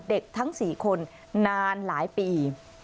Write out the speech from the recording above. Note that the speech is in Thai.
เด็กทั้ง๔คนนานหลายปี